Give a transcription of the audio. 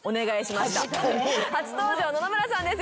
初登場野々村さんです